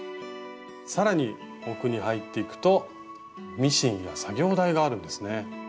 更に奥に入っていくとミシンや作業台があるんですね。